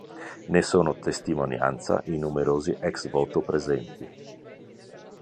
Ne sono testimonianza i numerosi ex voto presenti.